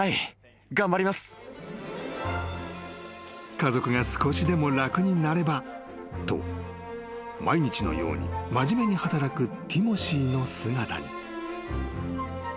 ［家族が少しでも楽になればと毎日のように真面目に働くティモシーの姿に］